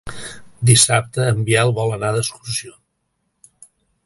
Dissabte en Biel vol anar d'excursió.